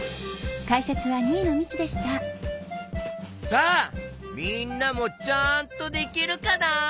さあみんなもちゃんとできるかな？